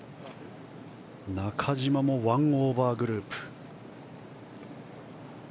中島も１オーバーグループ。